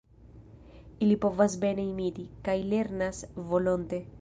Ili povas bene imiti, kaj lernas volonte.